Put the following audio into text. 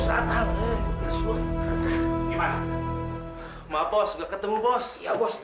aku udah seperti ga tahu